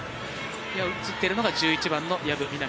今、映っているのが１１番の薮未奈